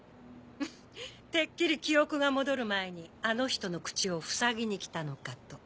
ウフてっきり記憶が戻る前にあの人の口をふさぎに来たのかと。